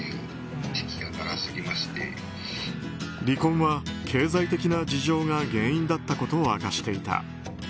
離婚は経済的な事情が原因だったことを明かしていた。